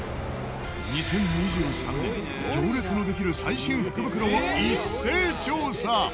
２０２３年行列のできる最新福袋を一斉調査！